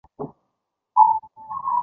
邓弘的哥哥邓骘等人仍辞不受。